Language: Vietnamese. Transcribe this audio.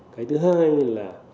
cái thứ hai là